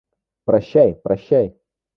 Прощай, прощай.